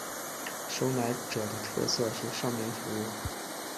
收买者的特色是上门服务。